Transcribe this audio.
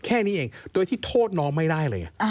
แค่นี้เองโดยที่โทษน้องไม่ได้เลย